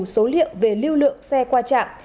số liệu về lưu lượng xe qua trạm